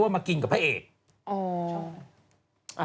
หน้าอินโนเซนต์อยู่